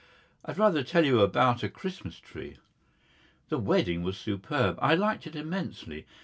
I would rather tell you about a Christmas tree. The wedding was superb. I liked it immensely.